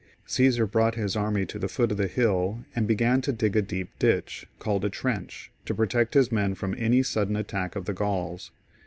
Caesar brought his army to the foot of the hill, and began to dig a deep ditch, called a trench, to protect his men from any sudden attack of the Grauls.